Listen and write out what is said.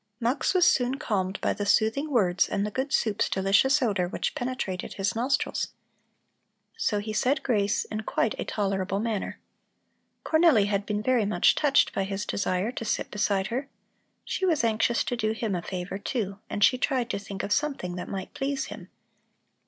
Mux was soon calmed by the soothing words and the good soup's delicious odor which penetrated his nostrils. So he said grace in quite a tolerable manner. Cornelli had been very much touched by his desire to sit beside her. She was anxious to do him a favor, too, and she tried to think of something that might please him.